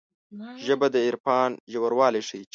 ژبه د عرفان ژوروالی ښيي